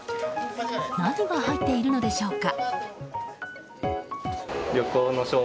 何が入っているのでしょうか。